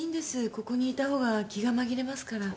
ここにいたほうが気が紛れますから。